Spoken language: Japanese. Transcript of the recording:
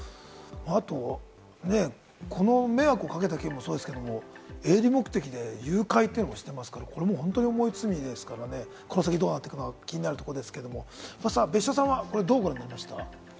あと迷惑をかけた件もそうですけれども、営利目的誘拐って、これも本当に重い罪ですからね、この先どうなってくるのか気になるところですけれども、別所さんはどうご覧になりました？